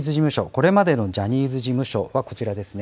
これまでのジャニーズ事務所はこちらですね。